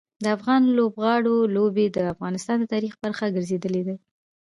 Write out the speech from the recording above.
د افغان لوبغاړو لوبې د افغانستان د تاریخ برخه ګرځېدلي دي.